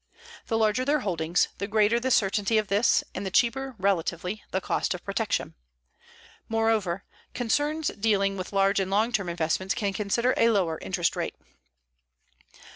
The larger their holdings, the greater the certainty of this and the cheaper, relatively, the cost of protection. Moreover, concerns dealing with large and long term investments can consider a lower interest rate.